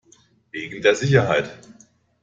Wegen der Sicherheit.